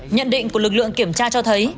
nhận định của lực lượng kiểm tra cho thấy